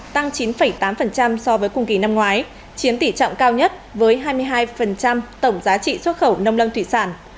tăng chín tám so với cùng kỳ năm ngoái chiếm tỷ trọng cao nhất với hai mươi hai tổng giá trị xuất khẩu nông lâm thủy sản